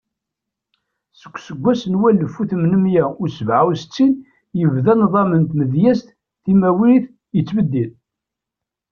Deg useggas n walef u tmenmiya u sebɛa u settin, yebda nḍam n tmedyazt timawit yettbeddil.